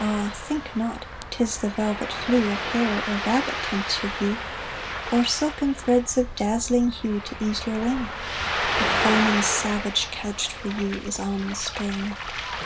Ah! think not, 'tis the velvet flue Of hare, or rabbit, tempts your view; Or silken threads of dazzling hue, To ease your wing, The foaming savage, couched for you, Is on the spring.